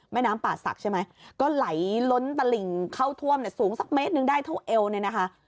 น้ำป่าศักดิ์ใช่ไหมก็ไหลล้นตลิ่งเข้าท่วมเนี่ยสูงสักเมตรหนึ่งได้เท่าเอวเนี่ยนะคะ